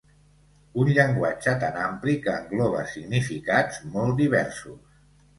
Un llenguatge tan ampli que engloba significats molt diversos.